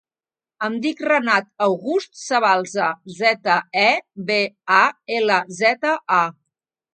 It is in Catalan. Em dic Renat August Zabalza: zeta, a, be, a, ela, zeta, a.